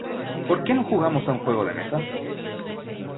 ¿Por qué no jugamos a un juego de mesa?